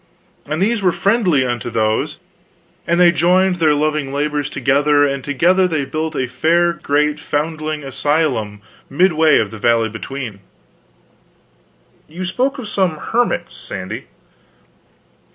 And these were friendly unto those, and they joined their loving labors together, and together they built a fair great foundling asylum midway of the valley between." "You spoke of some hermits, Sandy."